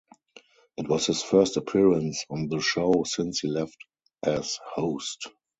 It was his first appearance on the show since he left as host.